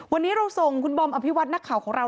วันนี้เราส่งคุณบอมอภิวัตินักข่าวของเรา